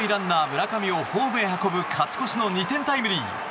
村上をホームへ運ぶ勝ち越しの２点タイムリー。